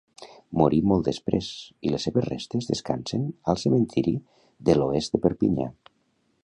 Morí molt després, i les seves restes descansen al cementiri de l'Oest de Perpinyà.